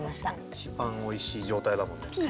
一番おいしい状態だもんね。